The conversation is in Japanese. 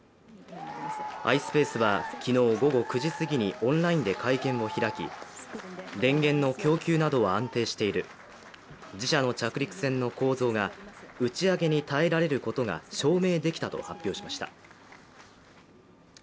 ｉｓｐａｃｅは昨日午後９時すぎにオンラインで会見を開き電源の供給などは安定している自社の着陸船の構造が打ち上げに耐えられることが証明できたと発表しました。